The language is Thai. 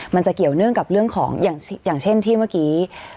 มันจะเกี่ยวเนื่องกับเรื่องของอย่างเช่นที่เมื่อกี้